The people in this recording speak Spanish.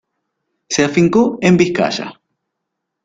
Se afincó en Vizcaya.